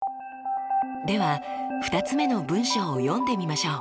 では２つ目の文章を読んでみましょう。